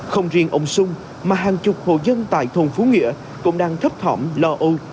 không riêng ông xuân mà hàng chục hồ dân tại thùng phú nghĩa cũng đang thấp thỏm lo âu